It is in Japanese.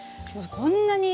こんなに。